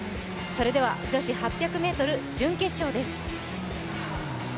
それでは女子８００ｍ準決勝です。